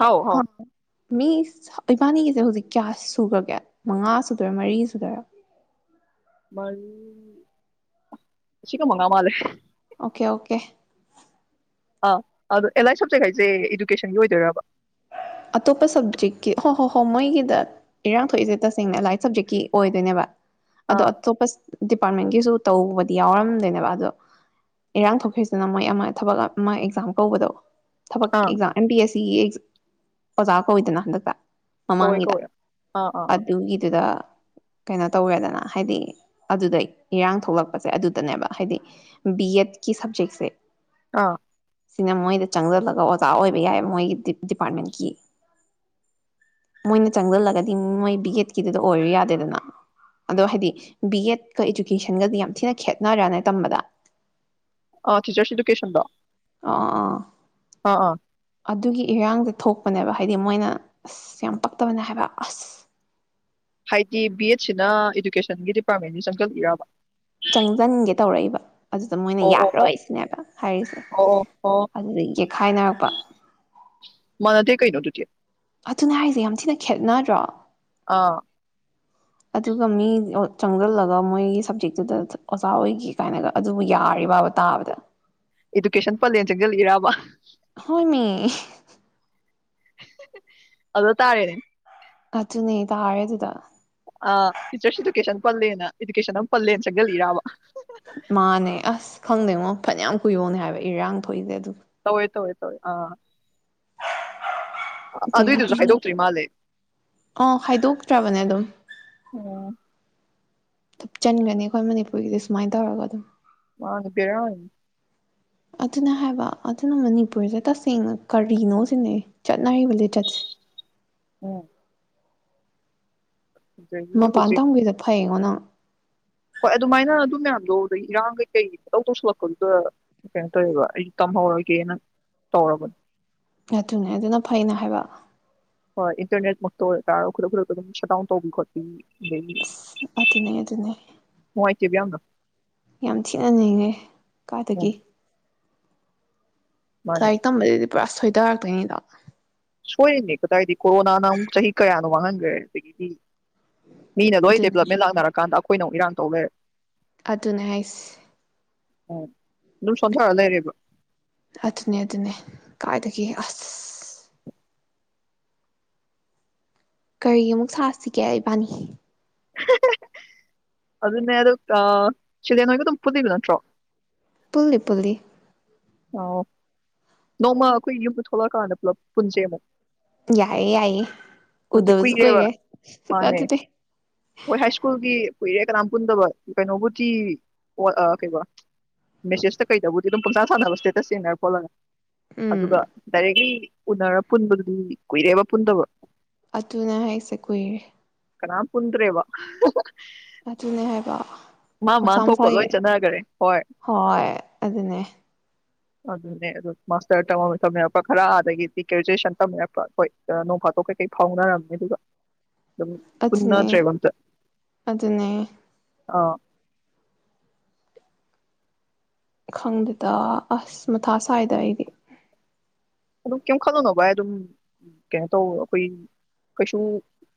ꯍꯥꯎ ꯍꯥꯎ ꯑꯪ ꯃꯤꯁ ꯏꯕꯥꯅꯤꯒꯤꯁꯦ ꯍꯧꯖꯤꯛ ꯀꯌꯥ ꯁꯨꯈ꯭ꯔꯒꯦ ꯃꯉꯥ ꯁꯨꯗꯣꯏꯔꯥ ꯃꯔꯤ ꯁꯨꯗꯣꯏꯔꯥ ꯃꯔ ꯁꯤ ꯀ ꯃꯉ ꯃꯥꯜꯂꯦ ꯑꯣꯀꯦ ꯑꯣꯀꯦ ꯑꯥ ꯑꯗꯨꯗꯣ ꯑꯦꯂꯥꯏꯟ ꯁꯞꯖꯦꯛ ꯍꯥꯏꯁꯦ ꯏꯗꯨꯀꯦꯁꯟꯒꯤ ꯑꯣꯏꯗꯣꯏꯔꯕ ꯑꯇꯣꯞꯄ ꯁꯕꯖꯦꯛꯀꯤ ꯍꯣ ꯍꯣꯏ ꯍꯣꯏ ꯃꯣꯏꯒꯤꯗ ꯏꯔꯥꯡ ꯊꯣꯛꯏꯁꯦ ꯇꯁꯦꯡꯅ ꯑꯦꯂꯥꯏꯟ ꯁꯕꯖꯦꯛꯀꯤ ꯑꯣꯏꯗꯣꯏꯅꯦꯕ ꯑꯗ ꯑꯥ ꯑꯇꯣꯞꯄ ꯑꯄꯥꯔꯠꯃꯦꯟꯒꯤꯁꯨ ꯇꯧꯕꯗꯤ ꯌꯥꯎꯔꯝꯗꯣꯏꯅꯦꯕ ꯑꯗꯣ ꯏꯔꯥꯡ ꯊꯣꯛꯈꯤꯁꯤꯅ ꯃꯣꯏ ꯑꯃ ꯊꯕꯛ ꯑꯃ ꯑꯦꯛꯖꯥꯝ ꯀꯧꯕꯗꯣ ꯊꯕꯛ ꯑꯥ ꯑꯦꯛꯖꯥꯝ ꯑꯦꯝ ꯄꯤ ꯑꯦꯁ ꯇꯤꯌꯦꯁ ꯑꯣꯖꯥ ꯀꯧꯏꯗꯅ ꯍꯟꯗꯛꯇ ꯀꯧꯋꯦ ꯃꯃꯥꯡꯒꯤꯗ ꯀꯧꯋꯦ ꯑꯥ ꯑꯥ ꯑꯥ ꯑꯗꯨꯒꯤꯗꯨꯗ ꯀꯩꯅꯣ ꯇꯧꯋꯦꯗꯅ ꯍꯥꯏꯗꯤ ꯑꯗꯨꯗ ꯏꯔꯥꯡ ꯊꯣꯛꯂꯛꯄꯁꯦ ꯑꯗꯨꯗꯅꯦꯕ ꯍꯥꯏꯗꯤ ꯕꯤ ꯑꯦꯠꯀꯤ ꯁꯕꯖꯦꯛꯁꯦ ꯑꯥ ꯁꯤꯅ ꯃꯣꯏꯗ ꯆꯪꯁꯤꯜꯂꯒ ꯑꯣꯖꯥ ꯑꯣꯏꯕ ꯌꯥꯏ ꯃꯣꯏꯒꯤ ꯗꯤꯄꯥꯔꯠꯃꯦꯟꯀꯤ ꯃꯣꯏꯅ ꯆꯪꯖꯤꯜꯂꯒꯗꯤ ꯃꯣꯏ ꯕꯤ ꯑꯦꯗꯀꯤꯗꯨꯗ ꯑꯣꯏꯔꯨ ꯌꯥꯗꯦꯗꯅ ꯑꯗꯣ ꯍꯥꯏꯗꯤ ꯕꯤ ꯑꯦꯗꯀ ꯏꯗꯨꯀꯦꯁꯟꯒꯗꯤ ꯌꯥꯝ ꯊꯤꯅ ꯈꯠꯅꯗꯔ ꯇꯝꯕꯗ ꯑꯥ ꯇꯤꯆꯔꯁ ꯏꯗꯨꯀꯦꯁꯟꯗꯣ ꯑꯥ ꯑꯥ ꯑꯥ ꯑꯥ ꯑꯗꯨꯒꯤ ꯏꯔꯥꯡꯁꯦ ꯊꯣꯛꯄꯅꯦꯕ ꯍꯥꯏꯗꯤ ꯃꯣꯏꯅ ꯑꯁ ꯌꯥꯝ ꯄꯛꯇꯕꯅꯦ ꯍꯥꯏꯕ ꯑꯁ ꯍꯥꯏꯗꯤ ꯕꯤ ꯑꯦꯠꯁꯤꯅ ꯏꯗꯨꯀꯦꯁꯟꯒꯤ ꯗꯤꯄꯥꯔꯠꯃꯦꯟꯒꯤ ꯆꯪꯁꯤꯟꯂꯤꯔꯕ ꯆꯪꯖꯟꯒꯦ ꯇꯧꯔꯛꯏꯕ꯫ ꯑꯗꯨꯗ ꯃꯣꯏꯅ ꯑꯣ ꯑꯣ ꯑꯣ ꯌꯥꯔꯣꯏꯁꯤꯅꯦꯕ ꯍꯥꯏꯔꯤꯁꯦ ꯑꯣ ꯑꯣ ꯑꯣ ꯑꯗꯨꯗꯒꯤ ꯌꯦꯠꯈꯥꯏꯅꯔꯛꯄ꯫ ꯃꯥꯟꯅꯗꯦ [unintelligible] ꯑꯗꯨꯅꯦ ꯍꯥꯏꯁꯦ ꯌꯥꯝ ꯊꯤꯅ ꯈꯦꯠꯅꯗ꯭ꯔꯣ꯫ ꯑꯥ ꯑꯗꯨꯒ ꯃꯤ ꯆꯪꯁꯤꯜꯂꯒ ꯑꯃꯨꯛ ꯃꯣꯏꯒꯤ ꯁꯞꯖꯦꯛꯇꯨꯗ ꯑꯣꯖꯥ ꯑꯣꯏꯒꯦ ꯀꯥꯏꯅꯒ ꯑꯗꯨꯕꯨ ꯌꯥꯔꯤꯕꯕ ꯇꯥꯕꯗ꯫ ꯏꯗꯨꯀꯦꯁꯟ ꯄꯜꯂꯦꯟꯅ ꯆꯡꯖꯜꯂꯤꯔꯕ ꯍꯣꯏꯃꯤ ꯑꯗ ꯇꯥꯔꯦꯅꯦ ꯑꯗꯨꯅꯤ ꯇꯥꯔꯦ ꯑꯗꯨꯗ ꯑ ꯇꯤꯆꯔꯁ ꯏꯗꯨꯀꯦꯁꯟ ꯄꯜꯂꯦꯅ ꯏꯗꯨꯀꯦꯁꯟ ꯑꯃ ꯄꯜꯂꯦꯅ ꯆꯪꯖꯜꯂꯤꯔꯕ ꯃꯥꯅꯦ ꯑꯁ ꯈꯪꯗꯦꯉꯣ ꯐꯅꯌꯥꯝ ꯀꯨꯏꯕꯨꯛꯅꯦ ꯍꯥꯏꯕ ꯏꯔꯥꯡ ꯊꯣꯛꯏꯖꯦ ꯑꯗꯨ ꯇꯧꯋꯦ ꯇꯧꯋꯦ ꯇꯧꯋꯏ ꯑꯥ ꯑ- ꯑꯗꯨꯏꯗꯨꯁꯨ ꯑꯗꯒꯤꯗꯤ ꯍꯥꯏꯗꯣꯛꯇ꯭ꯔꯤ ꯃꯥꯜꯂꯦ ꯑꯥ ꯈꯥꯏꯗꯣꯛꯇ꯭ꯔꯕꯅꯦ ꯑꯗꯨꯝ ꯎꯝ ꯊꯨꯞꯆꯟꯒꯅꯤ ꯑꯩꯈꯣꯏ ꯃꯅꯤꯄꯨꯔꯒꯤꯗꯤ ꯁꯨꯃꯥꯏꯅ ꯇꯧꯔꯒ ꯃꯥꯅꯤ ꯕꯦꯔꯥꯅꯤ ꯑꯗꯨꯅ ꯍꯥꯏꯕ ꯑꯗꯨꯅ ꯃꯅꯤꯄꯨꯔꯗ ꯇꯁꯦꯡꯅ ꯀꯔꯤꯅꯣ ꯁꯤꯅꯤ ꯆꯠꯅꯔꯤꯕ ꯂꯤꯆꯠꯁꯦ ꯎꯝ꯫ ꯑꯗꯒꯤ ꯃꯄꯥꯟ ꯍꯧꯖꯤꯛ ꯇꯝꯒꯤꯕꯗꯣ ꯐꯩꯌꯦꯉꯣ ꯅꯪ ꯍꯣꯏ ꯑꯗꯨꯃꯥꯏꯅ ꯑꯗꯨ ꯃꯌꯥꯝꯗꯣ ꯑꯩ ꯏꯔꯥꯡ ꯀꯩꯀꯩ ꯄꯨꯡꯇꯧ ꯇꯧꯁꯤꯜꯂꯛꯄꯗꯨꯗ ꯀꯩꯅꯣ ꯇꯧꯋꯦꯕ ꯑꯩꯁꯨ ꯇꯝꯍꯧꯔꯒꯦꯅ ꯇꯧꯔꯕ ꯑꯗꯨꯅꯦ ꯑꯗꯨꯅ ꯐꯩꯅꯦ ꯍꯥꯏꯕ꯫ ꯍꯣꯏ ꯏꯟꯇꯔꯅꯦꯠ ꯃꯛꯇ ꯑꯣꯏ ꯇꯥꯔꯖꯨ ꯈꯨꯗꯛ ꯈꯨꯗꯛꯇ ꯑꯗꯨꯝ ꯁꯠꯗꯥꯎꯟ ꯇꯧꯕꯤ ꯈꯣꯠꯄꯤ ꯑꯗꯒꯤ ꯑꯁ ꯑꯗꯨꯅꯦ ꯑꯗꯨꯅꯦ꯫ [unintelligible] ꯌꯥꯝ ꯊꯤꯅ ꯅꯤꯍꯦ ꯎꯝ ꯀꯥꯏꯗꯒꯤ ꯃꯥꯅꯦ ꯂꯥꯏꯔꯤꯛ ꯇꯝꯕꯗꯗꯤ ꯄꯨꯔꯥ ꯁꯣꯏ ꯇꯔꯛꯇꯣꯏꯅꯤꯗꯣ ꯁꯣꯏꯔꯤꯅꯦ ꯀꯗꯥꯏꯗꯤ ꯀꯣꯔꯣꯅꯥꯅ ꯑꯃꯨꯛ ꯆꯍꯤ ꯀꯌꯥꯅꯣ ꯃꯥꯡꯍꯟꯈ꯭ꯔꯦ ꯑꯗꯒꯤꯗꯤ ꯃꯤꯅ ꯂꯣꯏ ꯑꯗꯨꯅꯦ ꯗꯦꯕꯂꯞꯃꯦꯟ ꯂꯥꯛꯅꯔꯀꯥꯟꯗ ꯑ ꯑꯩꯈꯣꯏꯅ ꯑꯃꯨꯛ ꯏꯔꯥꯡ ꯇꯧ ꯂꯩꯔꯦ ꯑꯗꯨꯅꯦ ꯍꯤꯏꯁꯦ꯫ ꯎꯝ ꯑꯗꯨꯝ ꯁꯣꯟꯊꯔ ꯂꯩꯔꯦꯕ꯫ ꯑꯗꯨꯅꯦ ꯑꯗꯨꯅꯦ ꯀꯥꯏꯗꯒꯤ ꯑꯁ ꯀꯔꯤ ꯑꯃꯨꯛ ꯁꯥꯁꯤꯒꯦ ꯏꯕꯥꯅꯤ [unintelligible] ꯑꯗꯨꯅꯦ ꯑꯗꯨ ꯑꯥ ꯁꯤꯗꯦꯟ ꯍꯣꯏꯒ ꯑꯗꯨꯝ ꯄꯨꯕꯤꯕ ꯅꯠꯇ꯭ꯔꯣ꯫ ꯄꯨꯜꯂꯤ ꯄꯨꯜꯂꯤ꯫ ꯑꯣ ꯅꯣꯡꯃ ꯑꯩꯈꯣꯏ ꯌꯨꯝꯗ ꯊꯣꯛꯂꯛꯑꯀꯥꯟꯗ ꯄꯨꯂꯞ ꯄꯨꯟꯖꯦꯕ꯫ ꯌꯥꯏ ꯌꯥꯏ ꯄꯨꯟꯁꯦ ꯎꯗꯕꯁꯨ ꯀꯨꯏꯔꯦꯕ ꯀꯨꯏꯔꯦ ꯃꯥꯅꯦ [unintelligible] ꯍꯣꯏ ꯍꯥꯏ ꯁ꯭ꯀꯨꯜꯒꯤ ꯀꯨꯏꯔꯦ ꯀꯅꯥꯝ ꯄꯨꯟꯗꯕ ꯀꯩꯅꯣꯕꯨꯗꯤ ꯀꯩꯕ ꯃꯦꯁꯦꯁꯇ ꯀꯩꯗꯕꯨꯗꯤ ꯑꯗꯨꯝ ꯄꯪꯁꯥ ꯁꯥꯅꯕ ꯏꯁꯇꯦꯇꯁ ꯌꯦꯡꯅ ꯈꯣꯠꯂꯒ ꯎꯝ ꯑꯗꯨꯒ ꯗꯥꯏꯔꯦꯛꯂꯤ ꯎꯅꯔ ꯄꯨꯟꯕꯗꯨꯗꯤ ꯀꯨꯏꯔꯦꯕ ꯄꯨꯟꯗꯕ ꯑꯗꯨꯅꯦ ꯍꯥꯏꯁꯦ ꯀꯨꯏꯔꯦ ꯀꯅꯥꯝ ꯄꯨꯟꯗꯔꯦꯕ ꯑꯗꯨꯅꯦ ꯍꯥꯏꯕ ꯃꯥ ꯃꯥ ꯃꯁꯥ ꯊꯣꯛꯄ ꯂꯣꯏ ꯃꯁꯥꯒꯤ ꯆꯠꯅꯒꯔ꯭ꯦ ꯍꯣꯏ ꯍꯣꯏ ꯑꯗꯨꯅꯦ ꯑꯗꯨꯅꯦ ꯑꯗꯨ ꯃꯥꯁꯇꯔ ꯊꯧꯅꯔꯛꯄ ꯈꯔ ꯑꯗꯒꯤꯗꯤ ꯒ꯭ꯔꯦꯖꯨꯋꯦꯁꯟ ꯇꯧꯅꯔꯛꯄ ꯑꯩꯈꯣꯏ ꯅꯣꯡ ꯐꯥꯇꯣꯛ ꯀꯩꯀꯩ ꯐꯥꯎꯅꯔꯝꯃꯦ ꯑꯗꯨꯒ ꯑꯗꯨꯝ ꯑꯗꯨꯅꯦ ꯄꯨꯟꯅꯗꯔ꯭ꯦꯕ ꯑꯝꯇ ꯑꯗꯨꯅꯦ ꯑꯥ ꯈꯪꯗꯦꯗ ꯑꯁ ꯃꯊꯥ ꯁꯥꯏꯗ ꯑꯩꯗꯤ ꯑꯗꯨꯝ ꯀꯩꯝ ꯈꯜꯂꯨꯅꯣ ꯚꯥꯏ ꯑꯗꯨꯝ ꯀꯩꯅꯣ ꯇꯧ ꯑꯩꯈꯣꯏ ꯀꯩꯁꯨ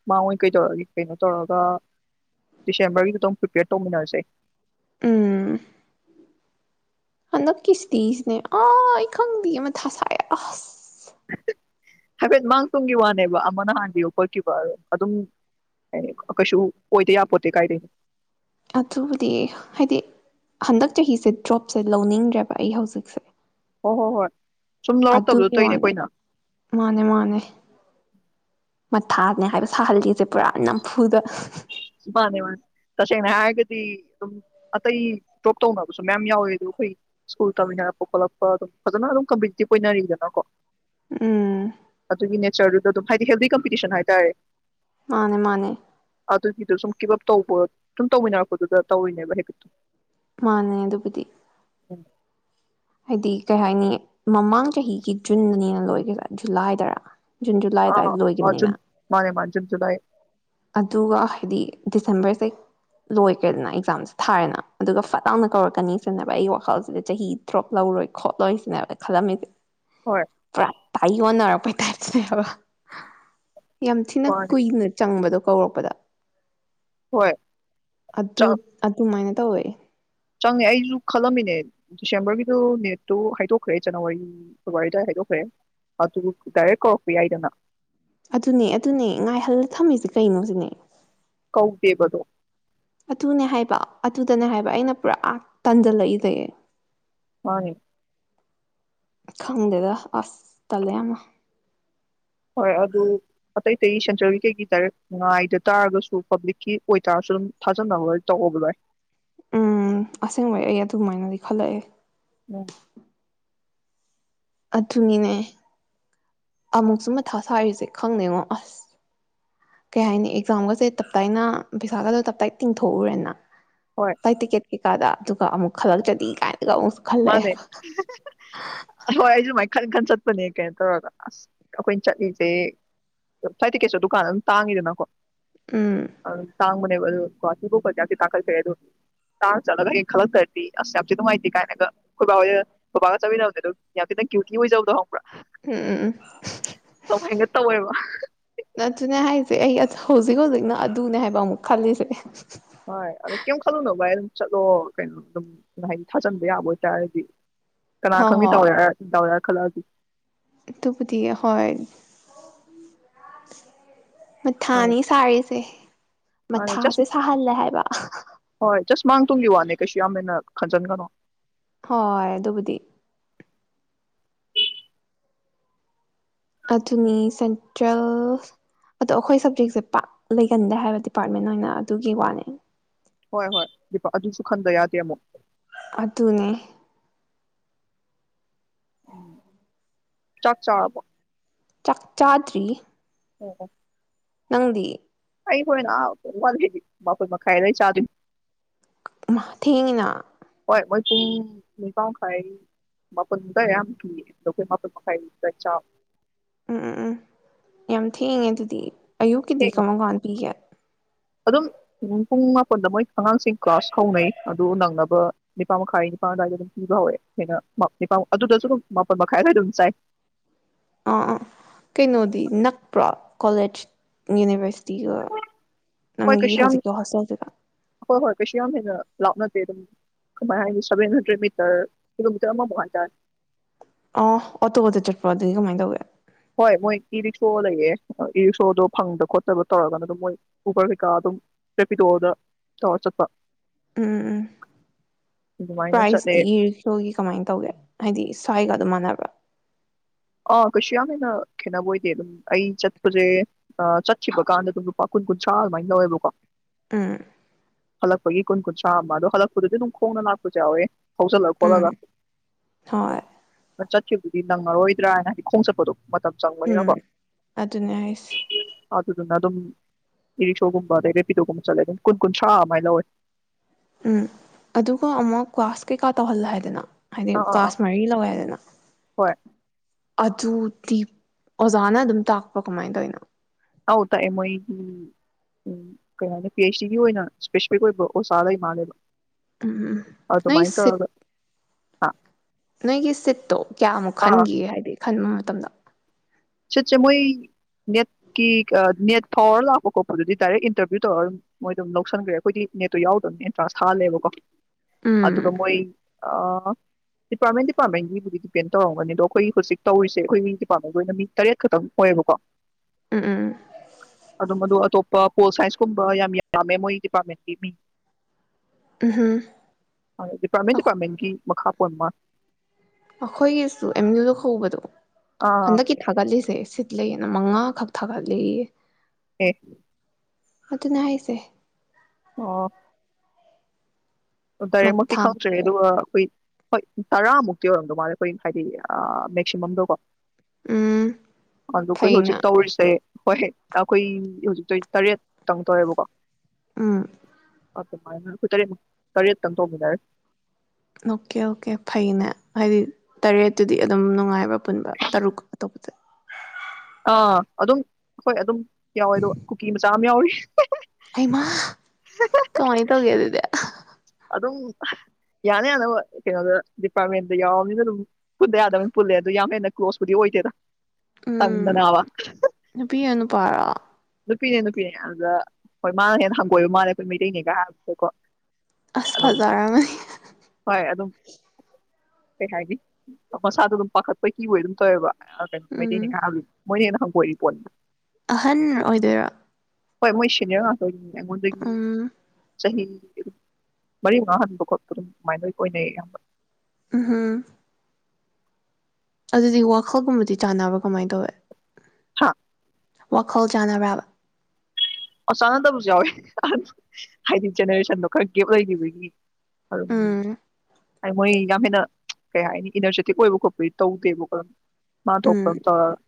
ꯃꯥꯡꯑꯣꯏ ꯀꯩꯗꯧꯔꯒꯦ ꯀꯩꯅꯣ ꯇꯧꯔꯒ ꯗꯤꯁꯦꯝꯕꯔꯒꯤꯗꯨꯗꯪ ꯄ꯭ꯔꯤꯄꯦꯔ ꯇꯧꯃꯤꯟꯅꯔꯁꯦ ꯎꯝ ꯍꯟꯗꯛꯀꯤ [unintelligible] ꯅꯦ ꯑ ꯈꯪꯗꯦꯌꯦ ꯃꯊꯥ ꯁꯥꯏꯌꯦ ꯍꯥꯏꯐꯦꯠ ꯃꯥꯡ ꯇꯨꯡꯒꯤ ꯋꯥꯅꯦꯕ ꯑꯃꯅ ꯍꯥꯟꯒꯤꯕꯥ ꯈꯣꯠꯈꯤꯕ ꯑꯗꯨꯝ ꯀꯩꯁꯨ ꯑꯣꯏꯗ ꯌꯥꯄꯣꯠꯇꯦ ꯀꯥꯏꯗꯩꯩ ꯑꯗꯨꯕꯨꯗꯤ ꯍꯥꯏꯗꯤ ꯍꯟꯗꯛ ꯆꯍꯤꯁꯦ ꯗ꯭ꯔꯣꯞꯁꯦ ꯂꯧꯅꯤꯡꯗ꯭ꯔꯦꯕ ꯑꯩ ꯍꯧꯖꯤꯛꯁꯦ ꯍꯣꯏ ꯍꯣꯏ ꯍꯣꯏ ꯁꯨꯝ ꯂꯧꯔꯛꯇꯕꯗꯨ ꯑꯗꯨꯒꯤ ꯇꯧꯏꯅꯦ ꯋꯥꯅꯦ ꯑꯩꯈꯣꯏꯅ ꯃꯥꯅꯦ ꯃꯥꯅꯦ ꯃꯊꯥꯅꯦ ꯍꯥꯏꯕ ꯁꯥꯍꯜꯂꯤꯁꯦ ꯄꯨꯔꯥ ꯅꯝꯐꯨꯗ ꯃꯥꯅꯦ ꯃꯥꯅꯦ ꯇꯁꯦꯡꯅ ꯍꯥꯏꯔꯒꯗꯤ ꯑꯗꯨꯝ ꯑꯇꯩ ꯗ꯭ꯔꯣꯞ ꯇꯧꯅꯕꯁꯨ ꯃꯌꯥꯝ ꯌꯥꯎꯋꯦ ꯑꯣ ꯑꯩꯈꯣꯏ ꯁ꯭ꯀꯨꯜ ꯇꯝꯃꯤꯟꯅꯔꯛꯄ ꯈꯣꯠꯂꯛꯄ ꯑꯗꯨꯝ ꯐꯖꯅ ꯑꯗꯨꯝ ꯀꯝꯄꯤꯇꯤꯇꯤꯞ ꯑꯣꯏꯅꯔꯤꯗꯅꯀꯣ ꯎꯝ ꯑꯗꯨꯒꯤꯅꯦ ꯁꯔꯗꯨꯗ ꯑꯗꯨꯝ ꯍꯥꯏꯗꯤ ꯍꯦꯜꯗꯤ ꯀꯝꯄꯤꯇꯤꯁꯟ ꯍꯥꯏꯇꯥꯔꯦ ꯃꯥꯅꯦ ꯃꯥꯅꯦ ꯑꯗꯨꯒꯤꯗꯣ ꯁꯨꯝ ꯀꯤꯞ ꯑꯞ ꯇꯧꯕ ꯁꯨꯝ ꯇꯧꯃꯤꯟꯅꯔꯛꯄꯗꯨꯗ ꯇꯧꯔꯤꯅꯦꯕ [unintelligible] ꯃꯥꯅꯦ ꯑꯗꯨꯕꯨꯗꯤ [unintelligible] ꯍꯥꯏꯗꯤ ꯀꯩ ꯍꯥꯏꯅꯤ ꯃꯃꯥꯡ ꯆꯍꯤꯒꯤ ꯖꯨꯟꯗꯅꯤꯅ ꯂꯣꯏꯒꯤꯗꯣ ꯖꯨꯂꯥꯏꯗꯔ ꯖꯨꯟ ꯖꯨꯂꯥꯏ ꯑꯗꯨꯋꯥꯏꯗ ꯑꯥ ꯖꯨꯟ ꯂꯣꯏꯈꯤꯕꯅꯤꯅ ꯃꯥꯅꯦ ꯃꯥꯅꯦ ꯖꯨꯟ ꯖꯨꯂꯥꯏꯗ ꯑꯗꯨꯒ ꯍꯥꯏꯗꯤ ꯗꯤꯁꯦꯝꯕꯔꯁꯦ ꯂꯣꯏꯈ꯭ꯔꯦꯗꯅ ꯑꯦꯛꯖꯥꯝꯁꯦ ꯊꯥꯔꯦꯅ ꯑꯗꯨꯒ ꯐꯠ ꯂꯥꯎꯅ ꯀꯧꯔꯛꯀꯅꯤꯁꯤꯅꯦꯕ ꯑꯩ ꯋꯥꯈꯜꯁꯤꯗ ꯆꯍꯤ ꯗ꯭ꯔꯣꯞ ꯂꯧꯔꯣꯏ ꯈꯣꯠꯂꯣꯏꯁꯤꯅꯦꯕ ꯈꯜꯂꯝꯃꯤꯁꯦ ꯍꯣꯏ ꯄ꯭ꯔ ꯇꯥꯏꯣꯟꯅꯔ [unintelligible] ꯌꯥꯝ ꯊꯤꯅ ꯃꯥꯅꯦ ꯀꯨꯏꯅ ꯆꯪꯕꯗꯣ ꯀꯧꯔꯛꯄꯗ ꯍꯣꯏ ꯆꯥꯛ ꯑꯗꯨ ꯑꯗꯨꯃꯥꯏꯅ ꯇꯧꯋꯦ ꯆꯪꯉꯦ ꯑꯩꯁꯨ ꯈꯜꯂꯝꯃꯤꯅꯦ ꯗꯤꯁꯦꯝꯕꯔꯒꯤꯗ ꯅꯦꯠꯇꯣ ꯍꯥꯏꯗꯣꯛꯈ꯭ꯔꯦ ꯖꯅꯋꯥꯔꯤ ꯐꯦꯕꯋꯥꯔꯤꯗ ꯍꯥꯏꯗꯣꯛꯈ꯭ꯔꯦ ꯑꯗꯨ ꯗꯥꯏꯔꯦꯛ ꯀꯧꯔꯛꯄ ꯌꯥꯏꯗꯅ ꯑꯗꯨꯅꯦ ꯑꯗꯨꯅꯦ ꯉꯥꯏꯍꯜꯂ ꯊꯝꯃꯤꯁꯦ ꯀꯩꯅꯣ ꯁꯤꯅꯦ ꯀꯧꯗꯦꯕꯗꯣ ꯑꯗꯨꯅꯦ ꯍꯥꯏꯕ ꯑꯗꯨꯗꯅꯦ ꯍꯥꯏꯕ ꯑꯩꯅ ꯄꯨꯔꯥ ꯇꯟꯖꯜꯂꯛꯏꯁꯦ ꯃꯥꯅꯤ ꯈꯪꯗꯦꯗ ꯑꯁ ꯇꯜꯂꯦ ꯌꯥꯝꯅ ꯍꯣꯏ ꯑꯗꯨ ꯑꯇꯩ ꯑꯇꯩ ꯁꯦꯟꯇ꯭ꯔꯦꯜꯒꯤ ꯀꯩꯒꯤ ꯗꯥꯏꯔꯦꯛ ꯉꯥꯏꯗ ꯇꯥꯔꯒꯁꯨ ꯄꯕ꯭ꯂꯤꯛꯀꯤ ꯑꯣꯏꯇꯥꯔꯁꯨ ꯑꯗꯨꯝ ꯊꯥꯖꯅꯕ ꯂꯣꯏ ꯇꯧꯑꯣꯕ ꯂꯣꯏ ꯎꯝ ꯑꯁꯦꯡꯕꯩ ꯑꯩ ꯑꯗꯨꯃꯥꯏꯅꯗꯤ ꯈꯜꯂꯛꯑꯦ ꯎꯝ ꯑꯗꯨꯅꯤꯅꯦ ꯑꯃꯨꯛꯁꯨ ꯃꯊꯥ ꯁꯥꯔꯤꯁꯦ ꯈꯪꯗꯦꯉꯣ ꯑꯁ ꯀꯩ ꯍꯥꯏꯅꯤ ꯑꯦꯛꯖꯥꯝꯒꯁꯦ ꯇꯞꯇꯥꯏꯅ ꯄꯩꯁꯥꯒꯗꯣ ꯇꯞꯇꯥꯏ ꯇꯤꯡꯊꯣꯛꯎꯔꯦꯅ ꯍꯣꯏ ꯇꯥꯏ ꯇ ꯀꯦ ꯀꯩꯀꯥꯗ ꯑꯗꯨꯒ ꯑꯃꯨꯛ ꯈꯜꯂꯛꯆꯅꯤ ꯀꯥꯏꯅ ꯃꯥꯅꯦ ꯍ ꯑꯩꯁꯨ ꯃꯥꯏ ꯈꯟ ꯈꯟ ꯆꯠ ꯆꯠꯄꯅꯦ ꯀꯩꯅꯣ ꯇꯧꯔꯒ ꯑꯁ ꯑꯩꯈꯣꯏꯅ ꯆꯠꯂꯤꯁꯦ ꯐ꯭ꯂꯥꯏꯠ ꯇꯤꯀꯦꯠꯁꯨ ꯗꯨꯀꯥꯟꯗ ꯑꯗꯨꯝ ꯇꯥꯡꯉꯤꯗꯅꯀꯣ ꯎꯝ ꯑꯪ ꯇꯥꯡꯕꯅꯤ ꯀꯩꯕ ꯑꯗꯨꯒ ꯒ꯭ꯨꯋꯍꯥꯇꯤꯕꯨ ꯇꯥꯡꯈꯠꯈ꯭ꯔꯦ ꯑꯗꯨꯛ ꯇꯥꯡ ꯆꯠꯂꯒ ꯍꯥꯌꯦꯡ ꯈꯜꯂꯛꯇ꯭ꯔꯗꯤ ꯑꯁ ꯌꯥꯝ ꯊꯤꯅ ꯅꯨꯡꯉꯥꯏꯦ ꯀꯥꯏꯅꯒ ꯈꯣꯏꯕꯥ ꯍꯣꯏꯒ ꯕꯥꯕꯥꯒ ꯆꯠꯃꯤꯟꯅꯕꯗꯣ ꯌꯥꯝ ꯊꯤꯅ ꯀ꯭ꯌꯨꯇꯤꯒ ꯑꯣꯏꯖꯕꯗꯣ ꯈꯪ ꯎꯝ ꯑꯗꯨꯃꯥꯏꯅ ꯇꯧꯋꯦꯕ ꯅꯠꯇꯅꯦ ꯍꯥꯏ ꯑꯩ ꯑꯗꯨ ꯍꯧꯖꯤꯛ ꯍꯧꯖꯤꯛꯅ ꯑꯗꯨꯅꯦ ꯍꯥꯏꯕ ꯑꯃꯨꯛ ꯈꯜꯂꯤꯁꯦ ꯍꯣꯏ ꯑꯗꯣ ꯀꯩꯝ ꯈꯜꯂꯨꯅꯣ ꯚꯥꯏ ꯑꯗꯨꯝ ꯆꯠꯂꯣ ꯀꯩꯅꯣ ꯑꯗꯨꯝ ꯍꯥꯏꯗꯤ ꯊꯥꯖꯤꯟꯕ ꯌꯥꯕ ꯑꯣꯏꯇꯥꯔꯗꯤ ꯀꯅꯥ ꯍꯣꯏ ꯈꯪꯅꯤ ꯇ ꯍꯣꯏ ꯇ ꯈꯜꯂꯛꯑꯗꯤ ꯑꯗꯨꯕꯨꯗꯤ ꯍꯣꯏ ꯃꯥꯅꯦ ꯃꯊꯥꯅꯤ ꯁꯥꯔꯤꯁꯦ ꯃꯥꯅꯦ ꯖꯁ ꯃꯊꯥꯁꯦ ꯁꯥꯍꯜꯂꯦ ꯍꯥꯏꯕ ꯍꯣꯏ ꯖꯁ ꯃꯥꯡ ꯇꯨꯡꯒꯤ ꯋꯥꯅꯦ ꯀꯩꯁꯨ ꯌꯥꯝ ꯍꯦꯟꯅ ꯈꯟꯖꯟꯒꯅꯣ ꯍꯣꯏ ꯑꯗꯨꯕꯨꯗꯤ ꯑꯗꯨꯅꯤ ꯁꯦꯟꯇ꯭ꯔꯦꯜ ꯑꯗꯣ ꯑꯩꯈꯣꯏ ꯁꯞꯖꯦꯛꯁꯦ ꯄꯥꯛ ꯂꯩꯒꯟꯗꯦ ꯍꯥꯏꯕ ꯗꯤꯄꯥꯔꯠꯃꯦꯟ ꯑꯣꯏꯅ ꯑꯗꯨꯒꯤ ꯋꯥꯅꯦ ꯍꯣꯏ ꯍꯣꯏ ꯑꯗꯨꯁꯨ ꯈꯟꯗ ꯌꯥꯗꯦ ꯑꯃꯨꯛ ꯑꯗꯨꯅꯦ ꯎꯝ ꯆꯥꯛ ꯆꯥꯔꯕꯣ ꯆꯥꯛꯆꯥꯥꯗ꯭ꯔꯤ ꯑꯣ ꯑꯣ ꯅꯪꯗꯤ ꯑꯩ ꯍꯣꯔꯦꯟ ꯑꯥ ꯋꯥꯠꯂꯤ ꯃꯄꯟ ꯃꯈꯥꯏ ꯑꯗꯥꯏ ꯆꯥꯗꯣꯏꯅꯤ ꯃ ꯊꯦꯡꯉꯤꯅ ꯍꯣꯏ ꯃꯣꯏ ꯄꯨꯡ ꯅꯤꯄꯥꯟ ꯃꯈꯥꯏ ꯃꯥꯄꯟꯗꯥꯏ ꯌꯥꯝ ꯄꯤ ꯑꯗꯣ ꯑꯩꯈꯣꯏ ꯃꯥꯄꯟ ꯃꯈꯥꯏ ꯗ ꯆꯥꯕ ꯎꯝ ꯎꯝ ꯎꯝ ꯌꯥꯝ ꯊꯦꯡꯉꯦ ꯑꯗꯨꯗꯤ ꯑꯌꯨꯛꯀꯤꯗꯤ ꯊꯦꯡꯅ ꯀꯃ ꯀꯥꯟ ꯄꯤꯒꯦ ꯑꯗꯨꯝ ꯄꯨꯡ ꯃꯥꯄꯜꯗ ꯃꯣꯏ ꯑꯉꯥꯡꯁꯤꯡ ꯀ꯭ꯂꯥꯁ ꯍꯧꯅꯩ ꯑꯗꯨ ꯅꯪꯅꯕ ꯅꯤꯄꯥꯜ ꯃꯈꯥꯏ ꯅꯤꯄꯥꯥꯟ ꯑꯗꯨꯋꯥꯏꯗ ꯑꯗꯨꯝ ꯄꯤꯕ ꯍꯧꯋꯦ ꯑꯩꯅꯄꯥ ꯑꯗꯨꯗꯁꯨ ꯑꯗꯨꯝ ꯃꯥꯄꯜ ꯃꯈꯥꯏ ꯑꯗꯨꯋꯥꯏ ꯑꯗꯨꯝ ꯆꯥꯏ ꯑꯥ ꯀꯩꯅꯣꯗꯤ ꯅꯛꯄ꯭ꯔꯣ ꯀꯣꯂꯦꯖ ꯌꯨꯅꯤꯕꯔꯁꯤ ꯍꯣꯏ ꯀꯩꯁꯨ ꯌꯥꯝ ꯍꯣꯁꯇꯦꯜꯗꯨꯒ ꯍꯣꯏ ꯍꯣꯏ ꯀꯩꯁꯨ ꯌꯥꯝ ꯍꯦꯟꯅ ꯂꯥꯞꯅ ꯀꯃꯥꯏ ꯍꯥꯏꯅꯤ ꯁꯦꯚꯦꯟ ꯍꯟꯗ꯭ꯔꯦꯗ ꯃꯤꯇꯔ ꯀꯤꯂꯣꯃꯤꯇꯔ ꯑꯃ ꯃꯨꯛ ꯍꯥꯏ ꯇꯥꯔꯦ ꯑꯣ ꯑꯣꯇꯣ ꯗ ꯆꯠꯄ꯭ꯔ ꯑꯗꯨꯗꯤ ꯀꯃꯥꯏꯅ ꯇꯧꯒꯦ ꯍꯣꯏ ꯃꯣꯏ ꯏ ꯔꯤꯛꯁꯣ ꯂꯩꯌꯦ ꯏ ꯔꯤꯛꯁꯣꯗꯣ ꯐꯪꯗꯕ ꯈꯣꯠꯇꯕ ꯇꯧꯔꯒꯅ ꯑꯗꯨꯝ ꯃꯣꯏ ꯎꯕꯔ ꯀꯩꯀꯥ ꯑꯗꯨꯝ ꯔꯦꯄꯤꯗꯣꯗ ꯇꯧꯔ ꯆꯠꯄ ꯎꯝ ꯎꯝ ꯑꯗꯨꯃꯥꯏꯅ ꯆꯠꯂꯦ ꯄ꯭ꯔꯥꯏꯖꯇꯤ ꯏ ꯔꯤꯛꯁꯣꯒꯤ ꯀꯃꯥꯏꯅ ꯇꯧꯒꯦ ꯍꯥꯏꯗꯤ ꯁ꯭ꯋꯥꯏꯒ ꯑꯗꯨꯝ ꯃꯥꯟꯅꯕꯔꯣ ꯑꯥ ꯀꯩꯁꯨ ꯌꯥꯝ ꯍꯦꯟꯅ ꯈꯦꯠꯅꯕ ꯑꯣꯏꯗꯦ ꯑꯗꯨꯝ ꯑꯩ ꯆꯠꯄꯁꯦ ꯑꯥ ꯆꯠꯈꯤꯕ ꯀꯥꯟꯗ ꯑꯗꯨꯝ ꯂꯨꯄꯥ ꯀꯨꯟ ꯀꯨꯟꯊ꯭ꯔꯥ ꯑꯗꯨꯃꯥꯏꯅ ꯂꯧꯋꯦꯕꯀꯣ ꯎꯨꯝ ꯍꯜꯂꯛꯄꯒꯤ ꯀꯨꯟ-ꯀꯨꯟꯊ꯭ꯔꯥ ꯑꯃ ꯑꯗꯣ ꯍꯜꯂꯛꯄꯗꯨꯗꯤ ꯑꯗꯨꯝ ꯈꯣꯡꯅ ꯂꯥꯛꯄꯁꯨ ꯌꯥꯎꯋꯦ ꯍꯧꯖꯤꯜꯂ ꯎꯝ ꯈꯣꯠꯂꯒ ꯍꯣꯏ ꯑꯥ ꯆꯠ ꯁꯤꯕꯨꯗꯤ ꯅꯪꯉꯔꯣꯏ ꯗ꯭ꯔꯥ ꯍꯥꯏꯅ ꯈꯣꯡ ꯆꯠꯄꯗꯣ ꯃꯇꯝ ꯎꯝ ꯆꯪꯕꯅꯤꯅꯀꯣ ꯑꯗꯨꯅꯦ ꯍꯥꯏꯁꯦ ꯇꯤꯠ-ꯇꯤꯠ ꯑꯗꯨꯗꯨꯅ ꯑꯗꯨꯝ ꯏ-ꯔꯤꯁꯣꯒꯨꯝꯕ ꯑꯗꯩ ꯔꯦꯄꯤꯗꯣꯒꯨꯝꯕ ꯆꯠꯂꯦ ꯑꯗꯨꯝ ꯀꯨꯟ ꯀꯨꯟꯊ꯭ꯔꯥ ꯑꯗꯨꯃꯥꯏꯅ ꯂꯧꯋꯦ ꯎꯝ ꯑꯗꯨꯒ ꯑꯃꯨꯛ ꯀꯋꯥꯁ ꯀꯩꯀꯥ ꯇꯧꯍꯜꯂꯦ ꯍꯥꯏꯗꯅ ꯍꯥꯏꯗꯤ ꯑꯥ ꯑꯥ ꯑꯥ ꯀ꯭ꯂꯥꯁ ꯃꯔꯤ ꯂꯧꯋꯦ ꯍꯥꯏꯗꯅ ꯍꯣꯏ ꯑꯗꯨꯗꯤ ꯑꯣꯖꯥꯅ ꯑꯗꯨꯝ ꯇꯥꯛꯄ꯭ꯔꯣ ꯀꯃꯥꯏꯅ ꯇꯧꯔꯤꯅꯣ ꯑꯧ ꯇꯥꯛꯑ ꯃꯣꯏꯒꯤ ꯎꯝ ꯀꯩ ꯍꯥꯏꯅꯤ ꯄꯤ-ꯑꯩꯆ-ꯗꯤꯒꯤ ꯑꯣꯏꯅ ꯏꯁꯄꯦꯁꯤꯐꯤꯛ ꯑꯣꯏꯕ ꯑꯣꯖꯥ ꯂꯩꯕ ꯃꯥꯜꯂꯦꯕ ꯎꯝ-ꯎꯝ-ꯎꯝ ꯅꯩ ꯁꯤꯠ ꯍꯥ ꯅꯣꯏꯒꯤ ꯁꯤꯠꯇꯣ ꯀꯌꯥꯃꯨꯛ ꯑꯥ ꯈꯟꯒꯤꯒꯦ ꯍꯥꯏꯗꯤ ꯈꯟꯕ ꯃꯇꯝ ꯇꯝꯗ ꯁꯤꯠꯁꯦ ꯃꯣꯏ ꯅꯦꯠꯀꯤ ꯅꯦꯠ ꯐꯥꯎꯔ ꯂꯥꯛꯄ ꯈꯣꯠꯄꯗꯨꯗꯤ ꯗꯥꯏꯔꯦꯛ ꯏꯟꯇꯔꯚꯤꯌꯨ ꯇꯧꯔꯒ ꯑꯗꯨꯝ ꯃꯣꯏ ꯑꯗꯨꯝ ꯂꯧꯁꯟꯒ꯭ꯔꯦ ꯑꯩꯈꯣꯏꯗꯤ ꯅꯦꯠꯇꯣ ꯌꯥꯎꯗꯕꯅꯤꯅ ꯑꯦꯟꯇ꯭ꯔꯥꯟꯁ ꯊꯥꯍꯜꯂꯦꯕꯀꯣ ꯑꯗꯨꯒ ꯎꯝ ꯃꯣꯏ ꯑꯥ ꯗꯤꯄꯥꯔꯠꯃꯦꯟ ꯗꯤꯄꯥꯔꯠꯃꯦꯟꯒꯤꯕꯨꯗꯤ ꯗꯤꯄꯦꯟ ꯇꯧꯔꯝꯒꯅꯤ ꯗꯣ ꯑꯩꯈꯣꯏ ꯍꯧꯖꯤꯛ ꯇꯧꯔꯤꯁꯦ ꯑꯩꯈꯣꯏ ꯗꯤꯄꯥꯔꯠꯃꯦꯟꯒꯤ ꯑꯣꯏꯅ ꯃꯤ ꯇꯔꯦꯠ ꯈꯛꯇꯪ ꯑꯣꯏꯌꯦꯕꯀꯣ ꯎꯝ ꯎꯝ ꯑꯗꯨꯝ ꯑꯗꯣ ꯑꯇꯣꯞꯄ ꯄꯣꯜ ꯁꯥꯏꯟꯁꯀꯨꯝꯕ ꯌꯥꯝ ꯌꯥꯝꯃꯦ ꯃꯣꯏ ꯗꯤꯄꯥꯔꯠꯃꯦꯟꯒꯤ ꯃꯤ ꯎꯝ ꯍꯨꯝ ꯗꯤꯄꯥꯔꯠꯃꯦꯟ ꯗꯤꯄꯥꯔꯠꯃꯦꯟꯒꯤ ꯃꯈꯥ ꯄꯣꯟꯕ ꯃꯥꯜ ꯑꯩꯈꯣꯏꯒꯤꯁꯨ ꯑꯦꯝ-ꯏꯌꯨꯗ ꯍꯧꯕꯗꯣ ꯑꯥ ꯍꯟꯗꯛꯀꯤ ꯊꯥꯒꯠꯂꯤꯁꯦ ꯁꯤꯠ ꯂꯩꯌꯦ ꯗ ꯃꯪꯉꯥ ꯈꯛ ꯊꯥꯒꯠꯂꯤꯌꯦ ꯑꯦ ꯑꯗꯨꯅꯦ ꯍꯥꯏꯁꯦ ꯑꯣ ꯗꯥꯏꯔꯦꯛꯃꯛꯇꯤ ꯃꯊꯥ ꯈꯪꯗ꯭ꯔꯦ ꯍꯥꯏꯕ ꯑꯗꯨꯒ ꯑꯩꯈꯣꯏ ꯍꯣꯏ ꯇꯔꯥꯃꯨꯛꯇꯤ ꯑꯣꯏꯔꯝꯗꯣ ꯃꯥꯜꯂꯦ ꯑꯩꯈꯣꯏ ꯍꯥꯏꯗꯤ ꯑꯥ ꯃꯦꯛꯁꯤꯃꯝꯗꯣꯀꯣ ꯎꯝ ꯑꯗꯨ ꯑꯈꯣꯏ ꯐꯩꯅ ꯍꯧꯖꯤꯛ ꯇꯧꯔꯤꯁꯦ ꯍꯣꯏ ꯑꯩꯈꯣꯏ ꯍꯧꯖꯤꯛ ꯇꯧꯔꯤꯁꯤ ꯇꯔꯦꯠ ꯇꯪ ꯇꯧꯋꯦꯕꯀꯣ ꯎꯝ ꯑꯗꯨꯃꯥꯏꯅ ꯑꯈꯣꯏ ꯇꯔꯦꯠꯃꯨꯛ ꯇꯔꯦꯠꯇꯪ ꯇꯧꯃꯤꯟꯅꯔꯤ ꯑꯣꯀꯦ ꯑꯣꯀꯦ ꯐꯩꯅꯦ ꯍꯥꯏꯗꯤ ꯇꯔꯦꯠꯇꯨꯗꯤ ꯑꯗꯨꯝ ꯅꯨꯡꯉꯥꯏꯕ ꯄꯨꯟꯕ ꯇꯔꯨꯛ ꯑꯇꯣꯞꯄ ꯑꯥ ꯑꯗꯨꯝ ꯍꯣꯏ ꯑꯗꯨꯝ ꯌꯥꯎꯋꯦ ꯑꯗꯣ ꯀꯨꯀꯤ ꯃꯆꯥ ꯑꯃ ꯌꯥꯎꯋꯦ ꯑꯩꯃ ꯀꯃꯥꯏ ꯇꯒꯦ ꯑꯗꯨꯗꯤ ꯑꯗꯨꯝ ꯌꯥꯅ ꯌꯥꯅꯕ ꯀꯩꯅꯣꯗ ꯗꯤꯄꯥꯔꯠꯃꯦꯟꯗ ꯌꯥꯎꯔꯕꯅꯤꯅ ꯑꯗꯨꯝ ꯈꯨꯠꯇ ꯌꯥꯗꯕꯅꯤ ꯄꯨꯜꯂꯦ ꯑꯗꯨ ꯌꯥꯝ ꯍꯦꯟꯅ ꯀ꯭ꯂꯣꯁꯄꯨꯗꯤ ꯑꯣꯏꯗꯦꯗ ꯎꯝ ꯇꯟꯗꯅꯕ ꯅꯨꯄꯤꯔꯥ ꯅꯨꯄꯥꯔꯣ ꯅꯨꯄꯤꯅꯦ ꯅꯨꯄꯤꯅꯦ ꯑꯗꯨꯗ ꯍꯣꯏ ꯃꯥꯅ ꯍꯦꯟꯅ ꯍꯪꯒꯣꯏꯕ ꯃꯥꯜꯂꯦ ꯑꯩꯈꯣꯏ ꯃꯩꯇꯩꯅꯦꯒ ꯍꯥꯏꯕꯗꯨꯗꯀꯣ ꯑꯁ ꯐꯖꯔꯝꯅꯤ ꯍꯣꯏ ꯑꯗꯨꯝ ꯀꯩ ꯍꯥꯏꯅꯤ ꯃꯁꯥꯗꯨ ꯑꯗꯨꯝ ꯄꯥꯈꯠꯄ ꯀꯤ ꯑꯣꯏ ꯑꯗꯨꯝ ꯇꯧꯋꯦꯕ ꯎꯝ [unintelligible] ꯃꯣꯏꯅꯦꯟ ꯍꯉꯒꯣꯏꯔꯤꯄꯣꯠꯅꯤ ꯑꯍꯟ ꯑꯣꯏꯗꯣꯏꯔꯣ ꯍꯣꯏ ꯃꯣꯏ ꯁꯦꯅꯤꯌꯔ ꯉꯛꯇ ꯑꯣꯏꯗꯨ ꯑꯩꯉꯣꯟꯗꯒꯤ ꯎꯝ ꯆꯍꯤ ꯃꯔꯤ ꯃꯉꯥ ꯍꯟꯕ ꯈꯣꯠꯄ ꯑꯗꯨꯝ ꯑꯗꯨꯃꯥꯏꯅ ꯂꯣꯏ ꯑꯣꯏꯅꯩꯌꯦ ꯑꯌꯥꯝꯕ ꯑꯝ ꯍꯨꯝ ꯑꯗꯨꯗꯤ ꯋꯥꯈꯜꯒꯨꯝꯕꯗꯤ ꯆꯥꯟꯅꯕ꯭ꯔꯥ ꯀꯃꯥꯏꯅ ꯇꯧꯋꯦ ꯍꯥ ꯋꯥꯈꯜ ꯆꯥꯟꯅꯕ꯭ꯔꯕ ꯑ ꯆꯥꯟꯅꯗꯕꯁꯨ ꯌꯥꯎꯋꯦ ꯍꯥꯏꯗꯤ ꯖꯦꯅꯦꯔꯦꯁꯟꯗꯣ ꯈꯔ ꯒꯦꯞ ꯂꯩꯈꯤꯕꯒꯤ ꯎꯝ [unintelligible] ꯍꯥꯏ ꯃꯣꯏ ꯌꯥꯝ ꯍꯦꯟꯅ ꯀꯩ ꯍꯥꯏꯅꯤ [unintelligible] ꯑꯣꯏꯕ ꯈꯣꯠꯄꯗꯤ ꯇꯧꯗꯦꯕ ꯃꯥ ꯊꯣꯛꯄ ꯎꯝ ꯑꯝ ꯇꯧꯔꯔ [inaudible]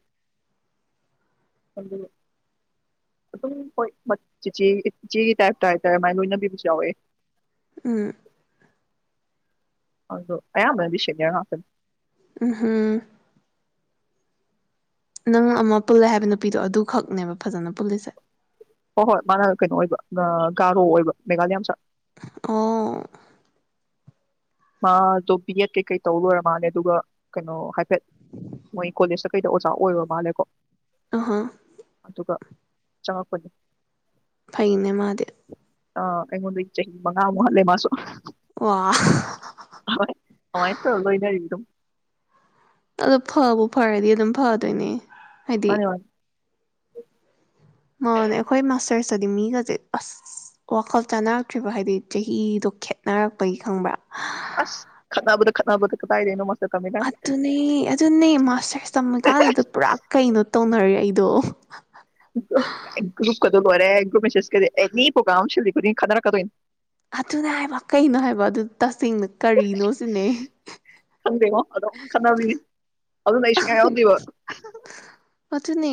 ꯑꯗꯨꯝ ꯍꯣꯏ ꯃ ꯆꯤꯆꯦ ꯏꯆꯦꯒꯤ ꯇꯥꯏꯞꯇ ꯍꯥꯏꯇꯥꯔꯦ ꯃꯥꯏꯅ ꯂꯣꯏꯅꯕꯤꯕꯁꯨ ꯌꯥꯎꯋꯦ [unintelligible] ꯑꯗꯣ ꯑꯌꯥꯝꯕꯅꯗꯤ ꯁꯦꯅꯤꯌꯔ ꯉꯥꯛꯇꯅꯤ [unintelligible] ꯅꯪ ꯑꯃ ꯄꯨꯜꯂꯦ ꯍꯥꯏꯕ ꯅꯨꯄꯤꯗꯣ ꯑꯗꯨꯈꯛꯅꯦꯕ ꯐꯖꯅ ꯄꯨꯜꯂꯤꯁꯦ ꯍꯣꯏ ꯍꯣꯏ ꯃꯥꯅ ꯀꯩꯅꯣ ꯑꯣꯏꯕ ꯒꯥꯥꯔꯣ ꯑꯣꯏꯕ ꯃꯦꯘꯥꯂꯤꯌꯥ ꯃꯆꯥ [unintelligible] ꯃꯥꯗꯣ ꯕꯤ ꯑꯦꯗ ꯀꯩꯀꯩ ꯇꯧꯔꯨꯔ ꯃꯥꯜꯂꯦ ꯑꯗꯨꯒ ꯀꯩꯅꯣ ꯍꯥꯏꯐꯦꯠ ꯃꯣꯏ ꯀꯣꯂꯦꯖꯇ ꯀꯩꯗ ꯑꯣꯖꯥ ꯑꯣꯏꯔꯨꯔ ꯃꯥꯜꯂꯦꯀꯣ ꯑꯍꯥ ꯗꯨꯒ ꯆꯡꯉꯛꯄꯅꯦ ꯐꯩꯅꯦ ꯃꯥꯗꯤ ꯑ ꯑꯩꯉꯣꯟꯗꯒꯤ ꯆꯍꯤ ꯃꯉꯥꯃꯨꯛ ꯍꯜꯂꯦ ꯃꯥꯁꯨ [unintelligible] ꯥꯍꯣꯏ ꯑꯃꯥꯏ ꯇꯎꯔ ꯂꯣꯏꯅꯔꯤ ꯑꯗꯨꯝ ꯑꯗꯣ ꯐꯕꯨ ꯐꯔꯗꯤ ꯑꯗꯨꯝ ꯐꯗꯣꯏꯅꯦ ꯍꯥꯏꯗꯤ ꯃꯥꯟꯅꯦ ꯃꯥꯟꯅꯦ [inaudible] ꯃꯥꯟꯅꯦ ꯑꯩꯈꯣꯏ ꯃꯥꯁꯇꯔꯁꯇꯗꯤ ꯃꯤꯒꯁꯦ ꯑꯁ ꯋꯥꯈꯜ ꯆꯥꯟꯅꯔꯛꯇ꯭ꯔꯤꯕ ꯍꯥꯏꯗꯤ ꯆꯍꯤꯗꯣ ꯈꯦꯠꯅꯔꯛꯄꯒꯤ ꯈꯪꯕ꯭ꯔꯥ ꯑꯁ ꯈꯠꯅꯥꯕꯗ ꯈꯠꯅꯥꯕꯗ ꯀꯗꯥꯥꯏꯗꯩꯩꯅꯣ ꯃꯁ ꯑꯗꯨꯅꯦ ꯑꯗꯨꯅꯦ ꯃꯥꯁꯔ ꯇꯝꯃꯦ ꯀꯥꯟꯅ ꯑꯗꯨ ꯄꯨꯔꯥ ꯀꯩꯩꯅꯣ ꯇꯧꯅꯔꯦ ꯑꯩꯗꯣ ꯂꯣꯏꯔꯦ ꯒꯔꯨꯞ ꯃꯦꯁꯦꯁꯀꯗꯤ ꯑꯦꯅꯤ ꯄꯣꯒꯔꯝ ꯑꯃ ꯁꯥꯒꯤ ꯈꯨꯗꯤꯡ ꯈꯠꯅꯔꯛꯀꯗꯣꯏꯅꯤ ꯑꯗꯨꯅꯦ ꯍꯥꯏꯕ ꯀꯩꯅꯣ ꯍꯥꯏꯕ ꯑꯗꯨ ꯇꯁꯦꯡꯅ ꯀꯔꯤꯅꯣ ꯁꯤꯅꯦ ꯈꯪꯗꯦꯉꯣ ꯑꯗꯨꯝ ꯈꯠꯅꯕꯤꯅꯤ ꯑꯗꯨꯅ ꯑꯩ ꯁꯨꯡꯌꯥ ꯌꯥꯎꯗꯦꯕ [unintelligible] ꯅꯦ